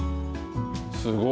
すごい。